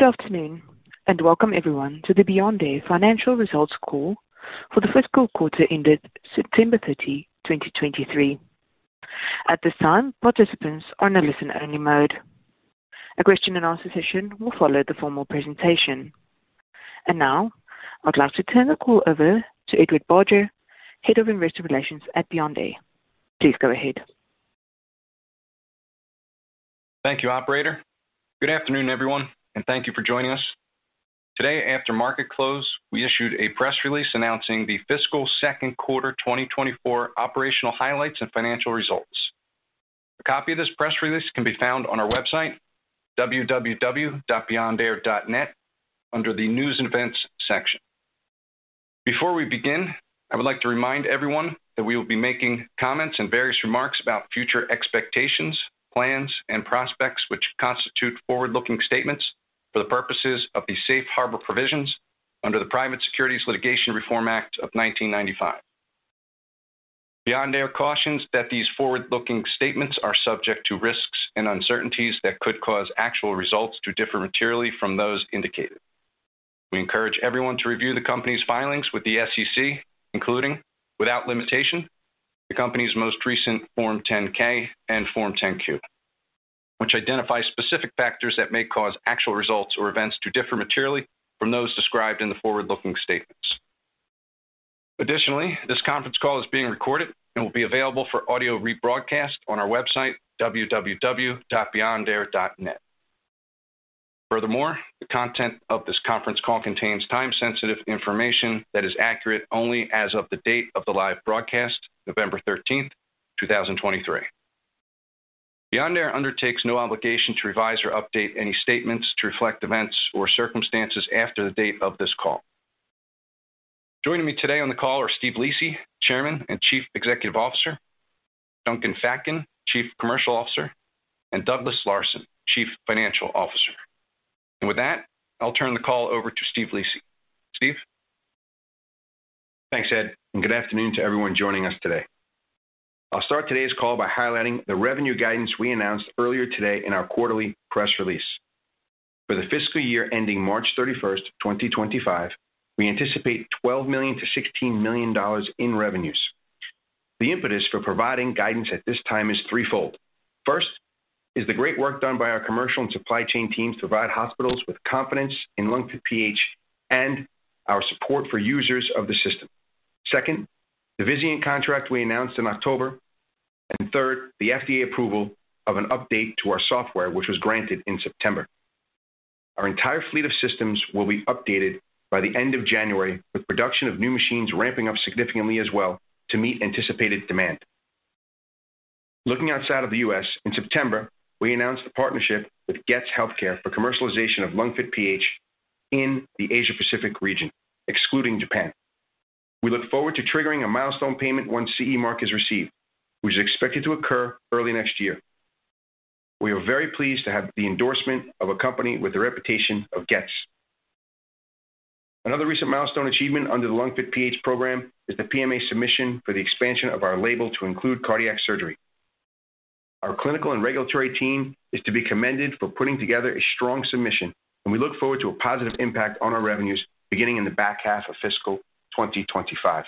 Good afternoon, and welcome everyone to the Beyond Air Financial Results Call for the fiscal quarter ended September 30, 2023. At this time, participants are in a listen-only mode. A question and answer session will follow the formal presentation. Now, I'd like to turn the call over to Edward Barger, Head of Investor Relations at Beyond Air. Please go ahead. Thank you, operator. Good afternoon, everyone, and thank you for joining us. Today, after market close, we issued a press release announcing the fiscal second quarter 2024 operational highlights and financial results. A copy of this press release can be found on our website, www.beyondair.net, under the News and Events section. Before we begin, I would like to remind everyone that we will be making comments and various remarks about future expectations, plans, and prospects which constitute forward-looking statements for the purposes of the Safe Harbor Provisions under the Private Securities Litigation Reform Act of 1995. Beyond Air cautions that these forward-looking statements are subject to risks and uncertainties that could cause actual results to differ materially from those indicated. We encourage everyone to review the company's filings with the SEC, including, without limitation, the company's most recent Form 10-K and Form 10-Q, which identify specific factors that may cause actual results or events to differ materially from those described in the forward-looking statements. Additionally, this conference call is being recorded and will be available for audio rebroadcast on our website, www.beyondair.net. Furthermore, the content of this conference call contains time-sensitive information that is accurate only as of the date of the live broadcast, November 13, 2023. Beyond Air undertakes no obligation to revise or update any statements to reflect events or circumstances after the date of this call. Joining me today on the call are Steve Lisi, Chairman and Chief Executive Officer, Duncan Fatkin, Chief Commercial Officer, and Douglas Larson, Chief Financial Officer. With that, I'll turn the call over to Steve Lisi. Steve? Thanks, Ed, and good afternoon to everyone joining us today. I'll start today's call by highlighting the revenue guidance we announced earlier today in our quarterly press release. For the fiscal year ending March 31, 2025, we anticipate $12 million-$16 million in revenues. The impetus for providing guidance at this time is threefold. First, is the great work done by our commercial and supply chain teams to provide hospitals with confidence in LungFit PH and our support for users of the system. Second, the Vizient contract we announced in October, and third, the FDA approval of an update to our software, which was granted in September. Our entire fleet of systems will be updated by the end of January, with production of new machines ramping up significantly as well to meet anticipated demand. Looking outside of the U.S., in September, we announced a partnership with Getz Healthcare for commercialization of LungFit PH in the Asia-Pacific region, excluding Japan. We look forward to triggering a milestone payment once CE Mark is received, which is expected to occur early next year. We are very pleased to have the endorsement of a company with the reputation of Getz. Another recent milestone achievement under the LungFit PH program is the PMA submission for the expansion of our label to include cardiac surgery. Our clinical and regulatory team is to be commended for putting together a strong submission, and we look forward to a positive impact on our revenues beginning in the back half of fiscal 2025.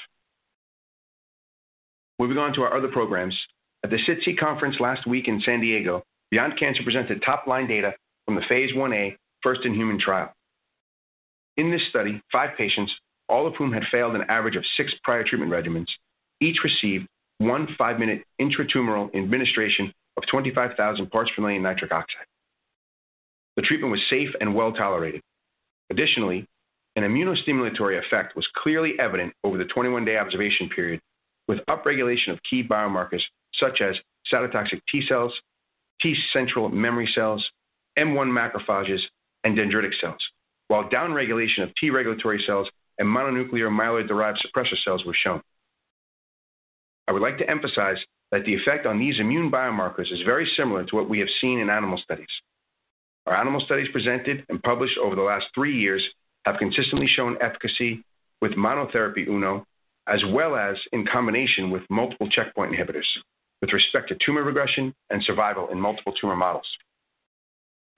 Moving on to our other programs. At the SITC conference last week in San Diego, Beyond Cancer presented top-line data from the Phase Ia first-in-human trial. In this study, five patients, all of whom had failed an average of six prior treatment regimens, each received one 5-minute intratumoral administration of 25,000 parts per million nitric oxide. The treatment was safe and well-tolerated. Additionally, an immuno-stimulatory effect was clearly evident over the 21-day observation period, with upregulation of key biomarkers such as cytotoxic T cells, T central memory cells, M1 macrophages, and dendritic cells, while downregulation of T-regulatory cells and mononuclear myeloid-derived suppressor cells were shown. I would like to emphasize that the effect on these immune biomarkers is very similar to what we have seen in animal studies. Our animal studies presented and published over the last three years have consistently shown efficacy with monotherapy UNO, as well as in combination with multiple checkpoint inhibitors with respect to tumor regression and survival in multiple tumor models.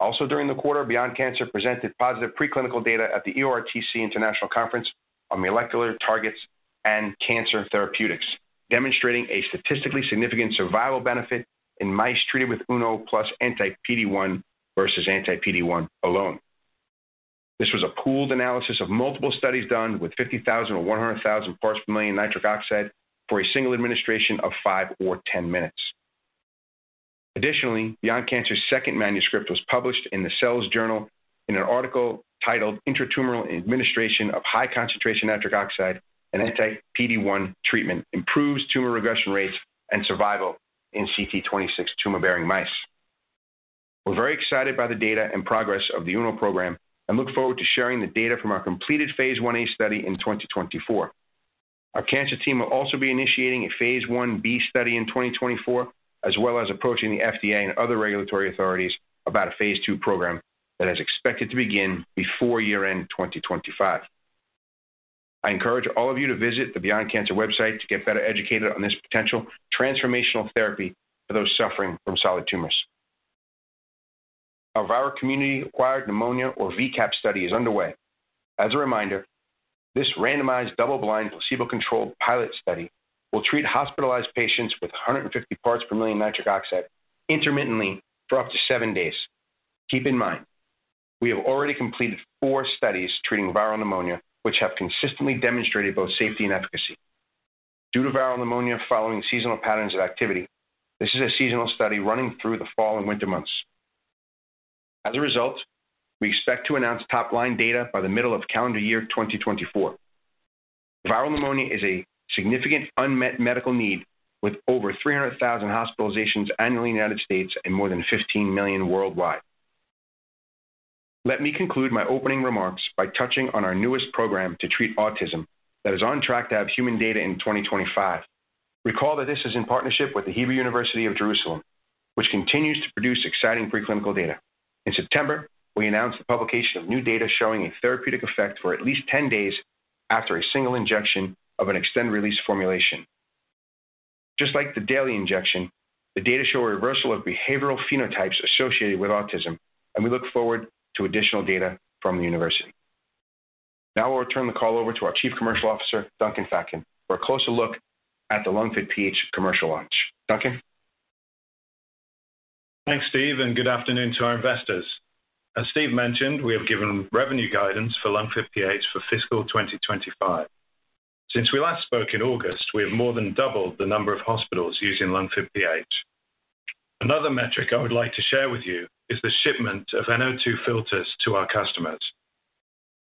Also, during the quarter, Beyond Cancer presented positive preclinical data at the EORTC International Conference on Molecular Targets and Cancer Therapeutics, demonstrating a statistically significant survival benefit in mice treated with UNO plus Anti-PD-1 versus Anti-PD-1 alone. This was a pooled analysis of multiple studies done with 50,000 or 100,000 parts per million nitric oxide for a single administration of five or 10 minutes. Additionally, Beyond Cancer's second manuscript was published in the Cells journal in an article titled Intratumoral Administration of High Concentration Nitric Oxide and Anti-PD-1 Treatment Improves Tumor Regression Rates and Survival in CT-26 Tumor-Bearing Mice. We're very excited by the data and progress of the UNO program and look forward to sharing the data from our completed Phase Ia study in 2024. Our cancer team will also be initiating a Phase Ib study in 2024, as well as approaching the FDA and other regulatory authorities about a Phase II program that is expected to begin before year-end 2025.... I encourage all of you to visit the Beyond Cancer website to get better educated on this potential transformational therapy for those suffering from solid tumors. Our viral community-acquired pneumonia or VCAP study is underway. As a reminder, this randomized, double-blind, placebo-controlled pilot study will treat hospitalized patients with 150 parts per million nitric oxide intermittently for up to seven days. Keep in mind, we have already completed four studies treating viral pneumonia, which have consistently demonstrated both safety and efficacy. Due to viral pneumonia following seasonal patterns of activity, this is a seasonal study running through the fall and winter months. As a result, we expect to announce top-line data by the middle of calendar year 2024. Viral pneumonia is a significant unmet medical need, with over 300,000 hospitalizations annually in the United States and more than 15 million worldwide. Let me conclude my opening remarks by touching on our newest program to treat autism that is on track to have human data in 2025. Recall that this is in partnership with the Hebrew University of Jerusalem, which continues to produce exciting preclinical data. In September, we announced the publication of new data showing a therapeutic effect for at least 10 days after a single injection of an extended-release formulation. Just like the daily injection, the data show a reversal of behavioral phenotypes associated with autism, and we look forward to additional data from the university. Now I will turn the call over to our Chief Commercial Officer, Duncan Fatkin, for a closer look at the LungFit PH commercial launch. Duncan? Thanks, Steve, and good afternoon to our investors. As Steve mentioned, we have given revenue guidance for LungFit PH for fiscal 2025. Since we last spoke in August, we have more than doubled the number of hospitals using LungFit PH. Another metric I would like to share with you is the shipment of NO₂ filters to our customers.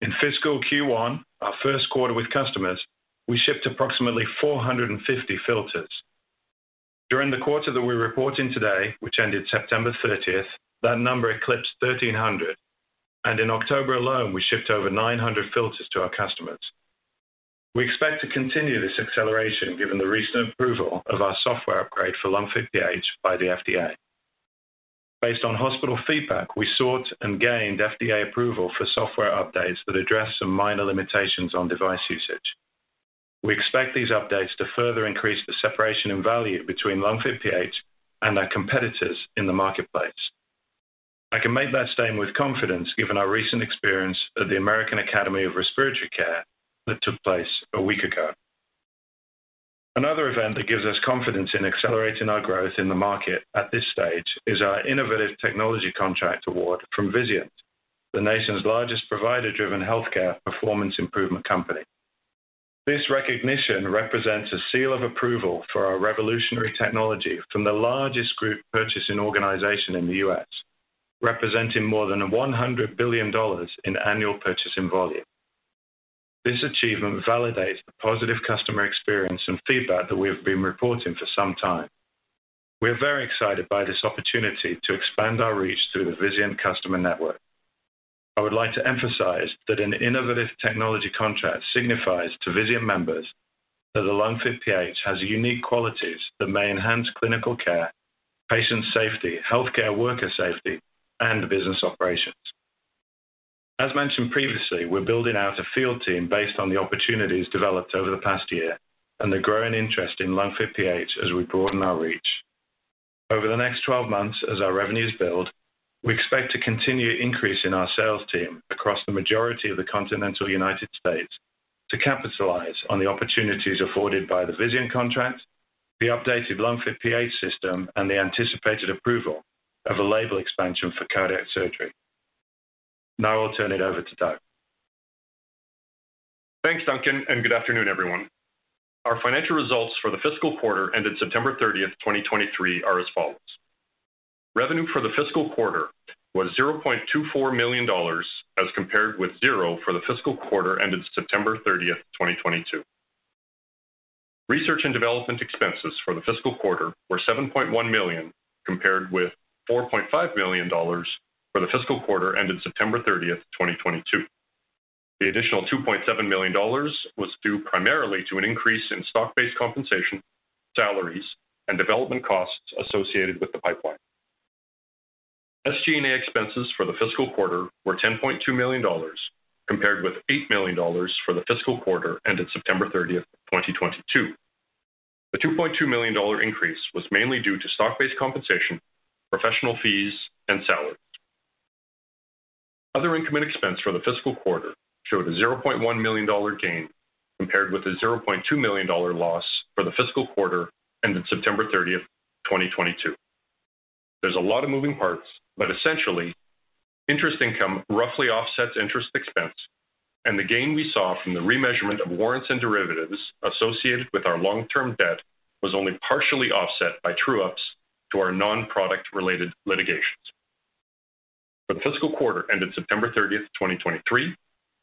In fiscal Q1, our first quarter with customers, we shipped approximately 450 filters. During the quarter that we're reporting today, which ended September thirtieth, that number eclipsed 1,300, and in October alone, we shipped over 900 filters to our customers. We expect to continue this acceleration, given the recent approval of our software upgrade for LungFit PH by the FDA. Based on hospital feedback, we sought and gained FDA approval for software updates that address some minor limitations on device usage. We expect these updates to further increase the separation in value between LungFit PH and our competitors in the marketplace. I can make that statement with confidence, given our recent experience at the American Association for Respiratory Care that took place a week ago. Another event that gives us confidence in accelerating our growth in the market at this stage is our innovative technology contract award from Vizient, the nation's largest provider-driven healthcare performance improvement company. This recognition represents a seal of approval for our revolutionary technology from the largest group purchasing organization in the U.S., representing more than $100 billion in annual purchasing volume. This achievement validates the positive customer experience and feedback that we have been reporting for some time. We are very excited by this opportunity to expand our reach through the Vizient customer network. I would like to emphasize that an innovative technology contract signifies to Vizient members that the LungFit PH has unique qualities that may enhance clinical care, patient safety, healthcare worker safety, and business operations. As mentioned previously, we're building out a field team based on the opportunities developed over the past year and the growing interest in LungFit PH as we broaden our reach. Over the next 12 months, as our revenues build, we expect to continue increasing our sales team across the majority of the continental United States to capitalize on the opportunities afforded by the Vizient contract, the updated LungFit PH system, and the anticipated approval of a label expansion for cardiac surgery. Now I'll turn it over to Doug. Thanks, Duncan, and good afternoon, everyone. Our financial results for the fiscal quarter ended September 30, 2023, are as follows: Revenue for the fiscal quarter was $0.24 million, as compared with $0 for the fiscal quarter ended September 30, 2022. Research and development expenses for the fiscal quarter were $7.1 million, compared with $4.5 million for the fiscal quarter ended September 30, 2022. The additional $2.7 million was due primarily to an increase in stock-based compensation, salaries, and development costs associated with the pipeline. SG&A expenses for the fiscal quarter were $10.2 million, compared with $8 million for the fiscal quarter ended September 30, 2022. The $2.2 million increase was mainly due to stock-based compensation, professional fees, and salaries. Other income and expense for the fiscal quarter showed a $0.1 million gain, compared with a $0.2 million loss for the fiscal quarter ended September 30, 2022. There's a lot of moving parts, but essentially, interest income roughly offsets interest expense, and the gain we saw from the remeasurement of warrants and derivatives associated with our long-term debt was only partially offset by true-ups to our non-product-related litigations. For the fiscal quarter ended September 30, 2023,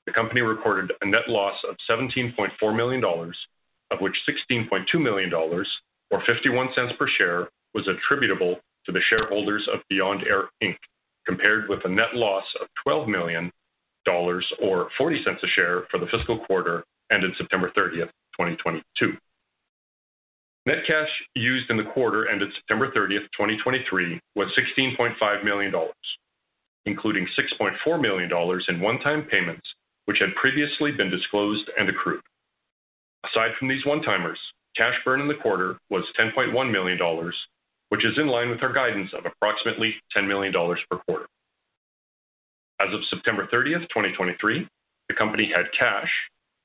the company reported a net loss of $17.4 million, of which $16.2 million, or $0.51 per share, was attributable to the shareholders of Beyond Air, Inc., compared with a net loss of $12 million, or $0.40 a share, for the fiscal quarter ended September 30, 2022. Net cash used in the quarter ended September 30, 2023, was $16.5 million, including $6.4 million in one-time payments, which had previously been disclosed and accrued. Aside from these one-timers, cash burn in the quarter was $10.1 million, which is in line with our guidance of approximately $10 million per quarter. As of September 30, 2023, the company had cash,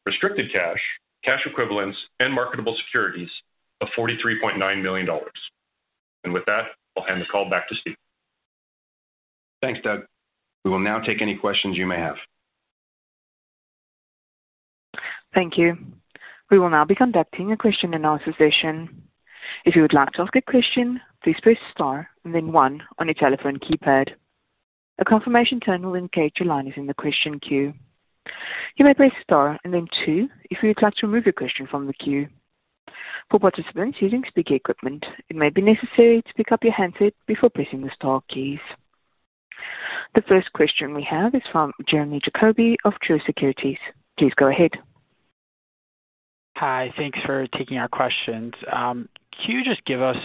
restricted cash, cash equivalents and marketable securities of $43.9 million. With that, I'll hand the call back to Steve. Thanks, Doug. We will now take any questions you may have. Thank you. We will now be conducting a question and answer session. If you would like to ask a question, please press star and then one on your telephone keypad. A confirmation tone will indicate your line is in the question queue. You may press star and then two, if you would like to remove your question from the queue. For participants using speaker equipment, it may be necessary to pick up your handset before pressing the star keys. The first question we have is from Jeremy Jacoby of Truist Securities. Please go ahead. Hi, thanks for taking our questions. Can you just give us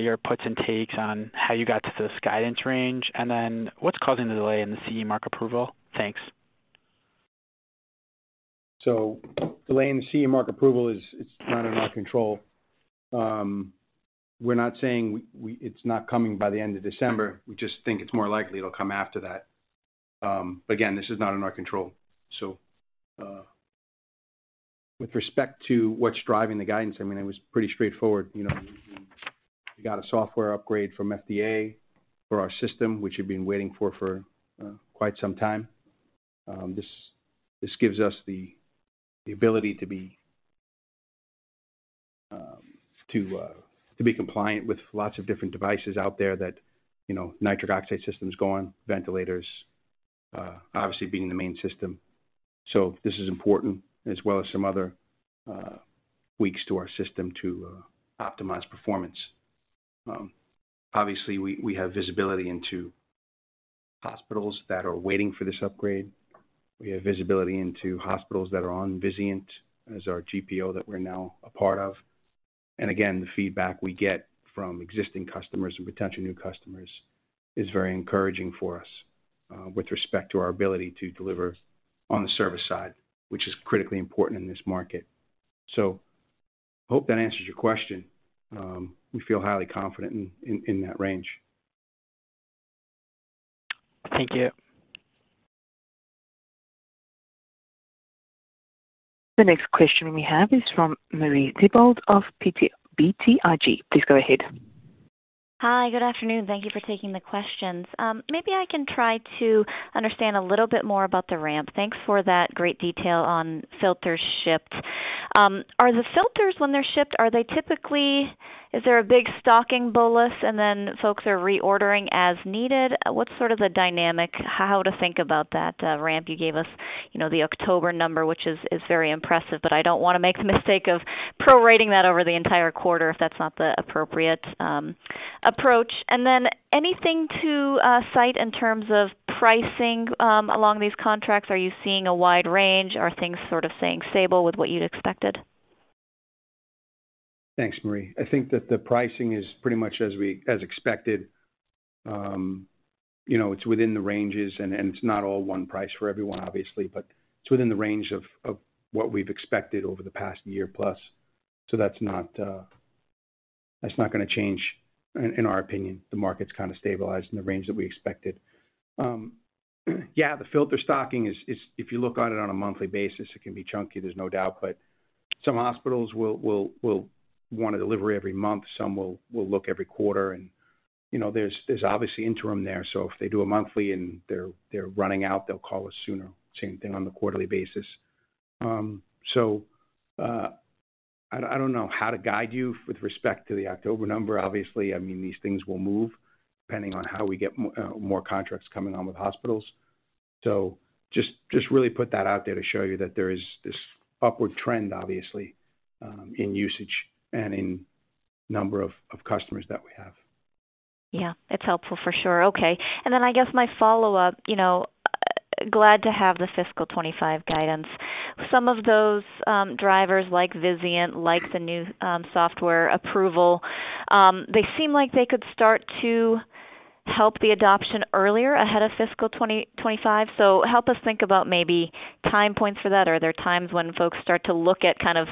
your puts and takes on how you got to this guidance range? And then what's causing the delay in the CE Mark approval? Thanks. So delay in the CE Mark approval is, it's not in our control. We're not saying it's not coming by the end of December. We just think it's more likely it'll come after that. Again, this is not in our control. So, with respect to what's driving the guidance, I mean, it was pretty straightforward. You know, we got a software upgrade from FDA for our system, which we've been waiting for, for quite some time. This gives us the ability to be compliant with lots of different devices out there that, you know, nitric oxide systems going, ventilators, obviously being the main system. So this is important as well as some other tweaks to our system to optimize performance. Obviously, we have visibility into hospitals that are waiting for this upgrade. We have visibility into hospitals that are on Vizient as our GPO, that we're now a part of. And again, the feedback we get from existing customers and potential new customers is very encouraging for us, with respect to our ability to deliver on the service side, which is critically important in this market. So I hope that answers your question. We feel highly confident in that range. Thank you. The next question we have is from Marie Thibault of BTIG. Please go ahead. Hi, good afternoon. Thank you for taking the questions. Maybe I can try to understand a little bit more about the ramp. Thanks for that great detail on filters shipped. Are the filters when they're shipped, are they typically, is there a big stocking bolus and then folks are reordering as needed? What's sort of the dynamic, how to think about that, ramp you gave us? You know, the October number, which is very impressive, but I don't want to make the mistake of prorating that over the entire quarter, if that's not the appropriate approach. And then anything to cite in terms of pricing, along these contracts, are you seeing a wide range? Are things sort of staying stable with what you'd expected? Thanks, Marie. I think that the pricing is pretty much as expected. You know, it's within the ranges, and it's not all one price for everyone, obviously, but it's within the range of what we've expected over the past year plus. So that's not going to change in our opinion. The market's kind of stabilized in the range that we expected. Yeah, the filter stocking is if you look on it on a monthly basis, it can be chunky, there's no doubt, but some hospitals will want to deliver every month. Some will look every quarter. And you know, there's obviously interim there. So if they do a monthly and they're running out, they'll call us sooner, same thing on the quarterly basis. So, I don't know how to guide you with respect to the October number. Obviously, I mean, these things will move depending on how we get more contracts coming on with hospitals. So just really put that out there to show you that there is this upward trend, obviously, in usage and in number of customers that we have. Yeah, it's helpful for sure. Okay. And then I guess my follow-up, you know, glad to have the fiscal 2025 guidance. Some of those drivers like Vizient, like the new software approval, they seem like they could start to help the adoption earlier ahead of fiscal 2025. So help us think about maybe time points for that. Are there times when folks start to look at kind of,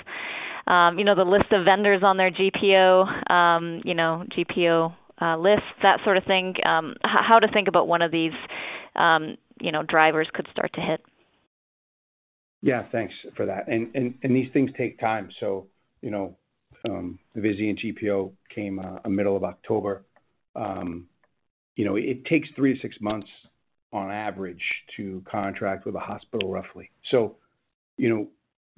you know, the list of vendors on their GPO, you know, GPO list, that sort of thing? How to think about when of these, you know, drivers could start to hit? Yeah, thanks for that. These things take time. So, you know, the Vizient GPO came in the middle of October. You know, it takes 3-6 months on average to contract with a hospital, roughly. So you know,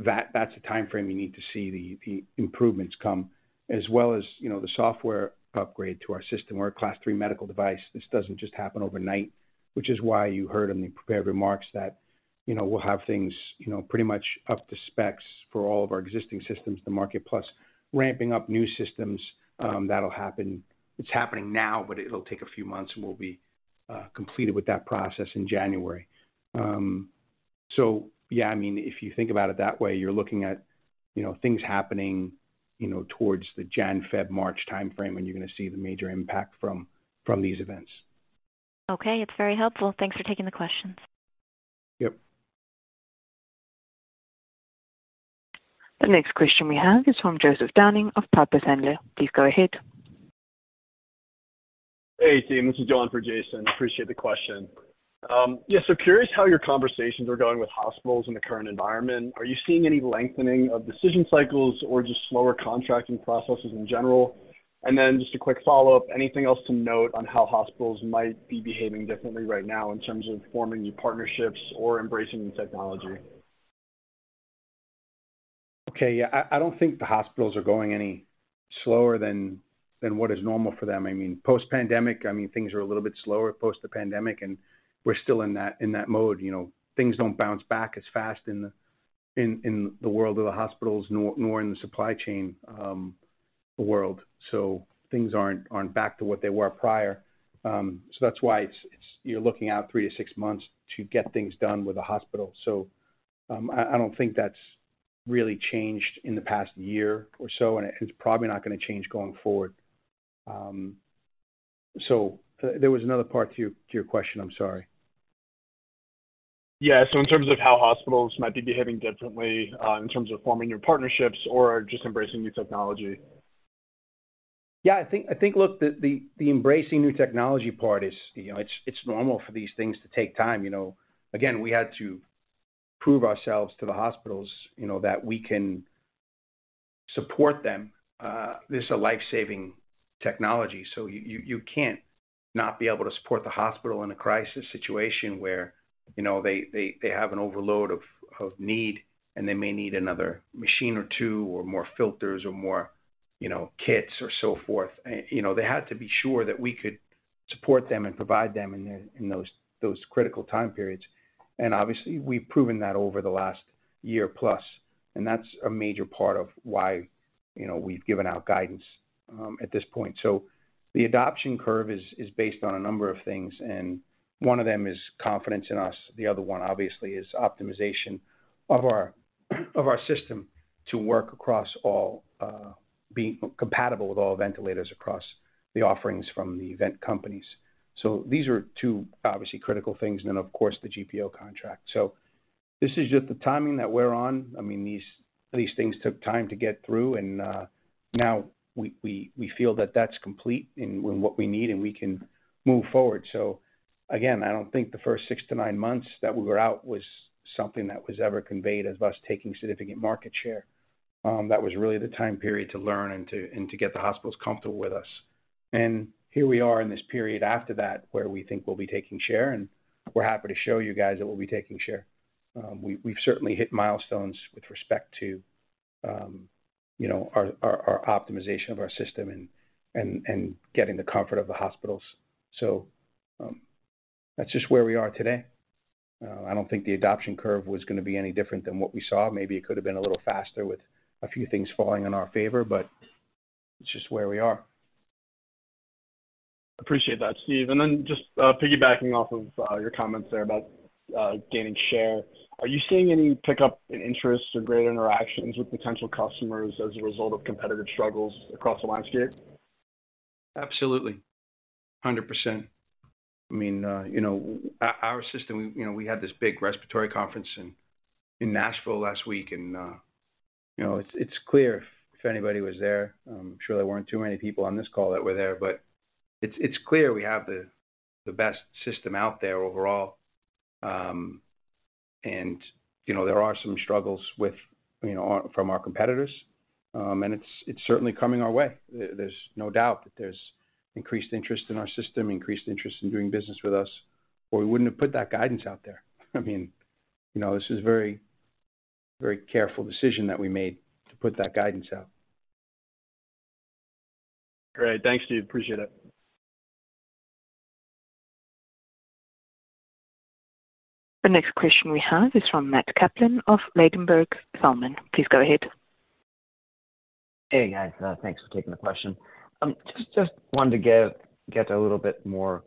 that's the timeframe you need to see the improvements come, as well as, you know, the software upgrade to our system. We're a Class III medical device. This doesn't just happen overnight, which is why you heard in the prepared remarks that, you know, we'll have things, you know, pretty much up to specs for all of our existing systems, the market plus ramping up new systems, that'll happen. It's happening now, but it'll take a few months, and we'll be completed with that process in January. So yeah, I mean, if you think about it that way, you're looking at, you know, things happening, you know, towards the January, February, March time frame, and you're going to see the major impact from these events. Okay. It's very helpful. Thanks for taking the questions. Yep. The next question we have is from Joseph Downing of Piper Sandler. Please go ahead. Hey, team, this is Joe for Jason. Appreciate the question. Yeah, so curious how your conversations are going with hospitals in the current environment. Are you seeing any lengthening of decision cycles or just slower contracting processes in general? And then just a quick follow-up, anything else to note on how hospitals might be behaving differently right now in terms of fofrming new partnerships or embracing new technology? Okay, yeah. I, I don't think the hospitals are going any slower than, than what is normal for them. I mean, post-pandemic, I mean, things are a little bit slower post the pandemic, and we're still in that, in that mode, you know. Things don't bounce back as fast in the, in, in the world of the hospitals, nor, nor in the supply chain, world. So things aren't, aren't back to what they were prior. So that's why it's, it's - you're looking out 3-6 months to get things done with the hospital. So, I, I don't think that's really changed in the past year or so, and it's probably not going to change going forward. So there was another part to your, to your question. I'm sorry. Yeah. In terms of how hospitals might be behaving differently, in terms of forming new partnerships or just embracing new technology. Yeah, I think, look, the embracing new technology part is, you know, it's normal for these things to take time, you know. Again, we had to prove ourselves to the hospitals, you know, that we can support them. This is a life-saving technology, so you can't not be able to support the hospital in a crisis situation where, you know, they have an overload of need, and they may need another machine or two, or more filters or more, you know, kits or so forth. And, you know, they had to be sure that we could support them and provide them in those critical time periods. And obviously, we've proven that over the last year plus, and that's a major part of why, you know, we've given out guidance at this point. So the adoption curve is, is based on a number of things, and one of them is confidence in us. The other one, obviously, is optimization of our, of our system to work across all, being compatible with all ventilators across the offerings from the vent companies. So these are two, obviously, critical things, and then, of course, the GPO contract. So this is just the timing that we're on. I mean, these, these things took time to get through, and now we, we, we feel that that's complete in, in what we need, and we can move forward. So again, I don't think the first 6-9 months that we were out was something that was ever conveyed as us taking significant market share. That was really the time period to learn and to, and to get the hospitals comfortable with us. And here we are in this period after that, where we think we'll be taking share, and we're happy to show you guys that we'll be taking share. We've certainly hit milestones with respect to, you know, our optimization of our system and getting the comfort of the hospitals. So, that's just where we are today. I don't think the adoption curve was going to be any different than what we saw. Maybe it could have been a little faster with a few things falling in our favor, but it's just where we are. Appreciate that, Steve. And then just, piggybacking off of your comments there about gaining share, are you seeing any pickup in interest or greater interactions with potential customers as a result of competitive struggles across the landscape? Absolutely. 100%. I mean, you know, our system, you know, we had this big respiratory conference in Nashville last week and, you know, it's clear if anybody was there, I'm sure there weren't too many people on this call that were there, but it's clear we have the best system out there overall. And, you know, there are some struggles with, you know, our—from our competitors, and it's certainly coming our way. There's no doubt that there's increased interest in our system, increased interest in doing business with us, or we wouldn't have put that guidance out there. I mean, you know, this is a very, very careful decision that we made to put that guidance out. Great. Thanks, Steve. Appreciate it. The next question we have is from Matt Kaplan of Ladenburg Thalmann. Please go ahead. Hey, guys, thanks for taking the question. Just wanted to get a little bit more,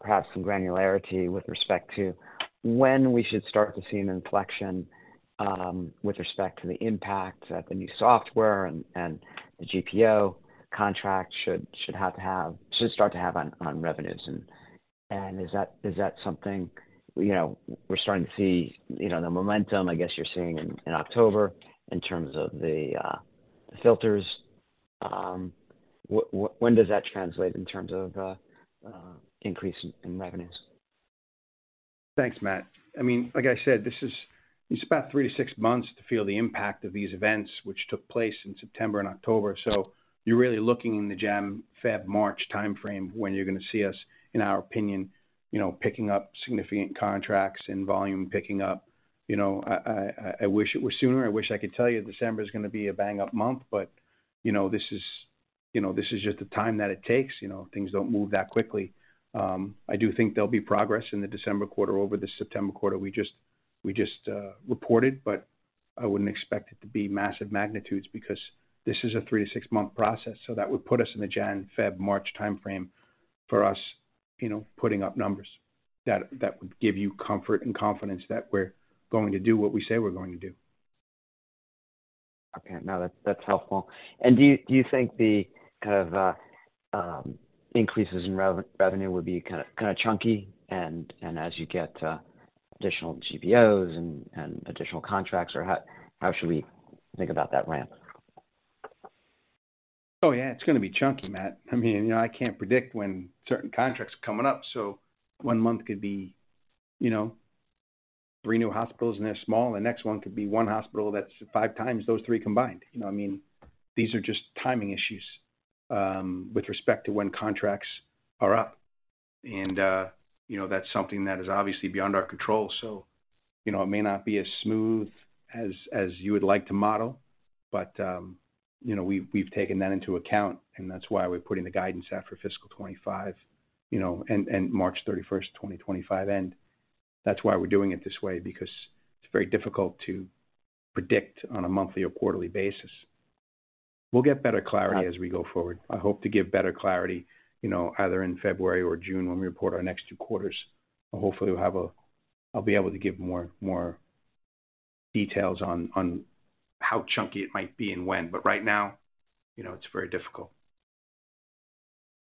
perhaps some granularity with respect to when we should start to see an inflection with respect to the impact that the new software and the GPO contract should start to have on revenues. And is that something, you know, we're starting to see, you know, the momentum, I guess, you're seeing in October in terms of the filters? When does that translate in terms of increase in revenues? Thanks, Matt. I mean, like I said, this is, it's about three -six months to feel the impact of these events, which took place in September and October. So you're really looking in the January, February, March time frame when you're going to see us, in our opinion, you know, picking up significant contracts and volume picking up. You know, I wish it were sooner. I wish I could tell you December is going to be a bang-up month, but, you know, this is, you know, this is just the time that it takes. You know, things don't move that quickly. I do think there'll be progress in the December quarter over the September quarter we just reported, but. I wouldn't expect it to be massive magnitudes, because this is a three-six month process. That would put us in the January, February, March time frame for us, you know, putting up numbers that would give you comfort and confidence that we're going to do what we say we're going to do. Okay. No, that's helpful. And do you think the kind of increases in revenue would be kind of chunky and as you get additional GPOs and additional contracts, or how should we think about that ramp? Oh, yeah, it's gonna be chunky, Matt. I mean, you know, I can't predict when certain contracts are coming up, so one month could be, you know, three new hospitals, and they're small, the next one could be one hospital that's five times those three combined. You know what I mean? These are just timing issues with respect to when contracts are up. And, you know, that's something that is obviously beyond our control. So, you know, it may not be as smooth as you would like to model, but, you know, we've taken that into account, and that's why we're putting the guidance out for fiscal 2025, you know, and March 31, 2025 end. That's why we're doing it this way, because it's very difficult to predict on a monthly or quarterly basis. We'll get better clarity as we go forward. I hope to give better clarity, you know, either in February or June when we report our next two quarters. Hopefully, we'll have a, I'll be able to give more, more details on, on how chunky it might be and when, but right now, you know, it's very difficult.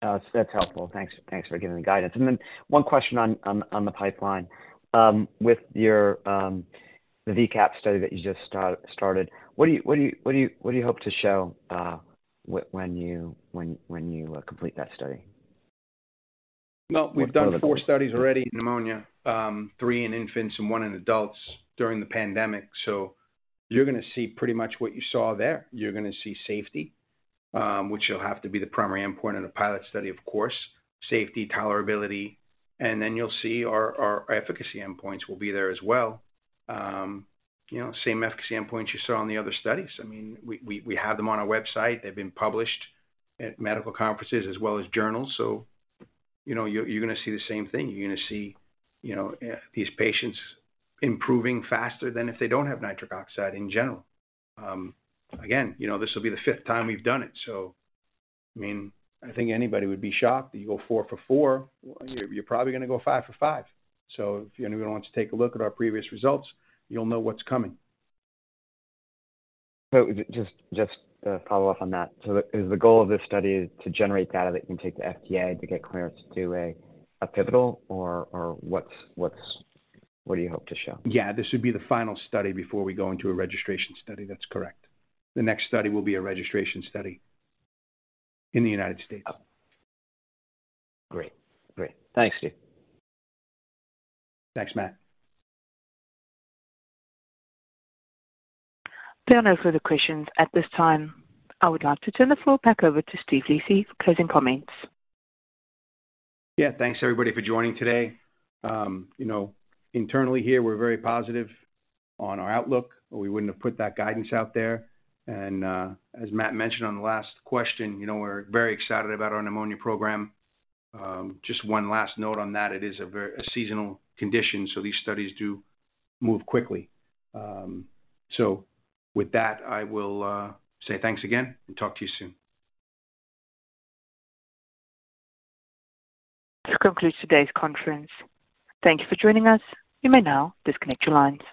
That's helpful. Thanks, thanks for giving the guidance. And then one question on the pipeline. With your the VCAP study that you just started, what do you hope to show when you complete that study? Well, we've done 4 studies already in pneumonia, three in infants and one in adults during the pandemic. So you're gonna see pretty much what you saw there. You're gonna see safety, which will have to be the primary endpoint of the pilot study, of course, safety, tolerability, and then you'll see our, our efficacy endpoints will be there as well. You know, same efficacy endpoints you saw on the other studies. I mean, we, we, we have them on our website. They've been published at medical conferences as well as journals. So, you know, you're, you're gonna see the same thing. You're gonna see, you know, these patients improving faster than if they don't have nitric oxide in general. Again, you know, this will be the fifth time we've done it, so, I mean, I think anybody would be shocked if you go four for four. You're probably gonna go five for five. So if anyone wants to take a look at our previous results, you'll know what's coming. So just to follow up on that: Is the goal of this study to generate data that you can take to the FDA to get clearance to do a pivotal or what do you hope to show? Yeah, this would be the final study before we go into a registration study. That's correct. The next study will be a registration study in the United States. Great. Great. Thanks, Steve. Thanks, Matt. There are no further questions at this time. I would like to turn the floor back over to Steve Lisi for closing comments. Yeah, thanks, everybody, for joining today. You know, internally here, we're very positive on our outlook, or we wouldn't have put that guidance out there. And as Matt mentioned on the last question, you know, we're very excited about our pneumonia program. Just one last note on that, it is a very seasonal condition, so these studies do move quickly. So with that, I will say thanks again and talk to you soon. This concludes today's conference. Thank you for joining us. You may now disconnect your line.